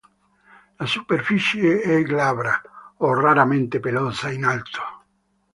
La superficie è glabra o raramente pelosa in alto.